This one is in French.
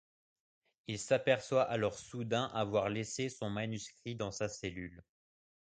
Il s'aperçoit alors soudain avoir laissé son manuscrit dans sa cellule.